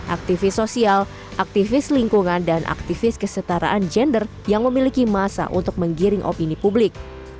aktivis sosial aktivis lingkungan dan aktivis kesetaraan gender yang memiliki masa untuk menggiring opini publik